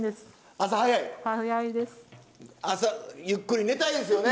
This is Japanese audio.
朝ゆっくり寝たいですよね。